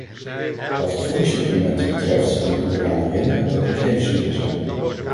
Wat de voedingssupplementen betreft, wil ik u eraan herinneren dat dit levensmiddelen zijn.